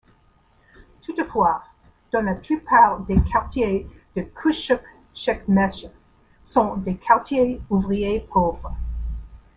Toutefois, dans la plupart des quartiers de Küçükçekmece sont des quartiers ouvriers pauvres.